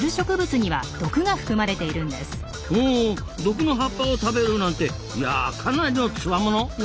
ほう毒の葉っぱを食べるなんていやあかなりのつわものなんですなあ。